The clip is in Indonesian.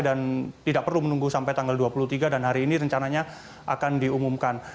tidak perlu menunggu sampai tanggal dua puluh tiga dan hari ini rencananya akan diumumkan